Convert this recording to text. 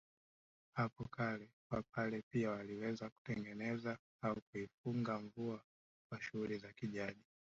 Hapo kale wapare pia waliweza kutengeneza au kuifunga mvua kwa shughuli za kijadi